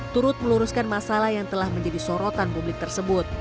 turut meluruskan masalah yang telah menjadi sorotan publik tersebut